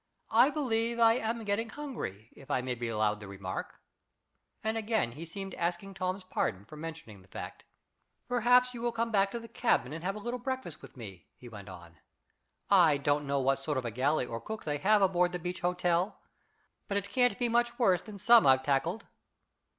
"I believe I am getting hungry, if I may be allowed the remark," and again he seemed asking Tom's pardon for mentioning the fact. "Perhaps you will come back to the cabin and have a little breakfast with me," he went on. "I don't know what sort of a galley or cook they have aboard the Beach Hotel, but it can't be much worse than some I've tackled."